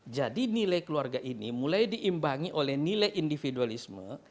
jadi nilai keluarga ini mulai diimbangi oleh nilai individualisme